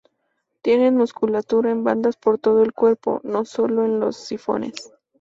Tienen musculatura en bandas por todo el cuerpo, no sólo en los sifones.